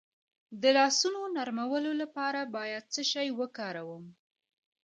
د لاسونو نرمولو لپاره باید څه شی وکاروم؟